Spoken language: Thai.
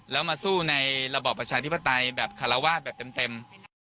แล้วมาสู้ในระบอบประชาธิปไตยแบบคารวาสแบบเต็ม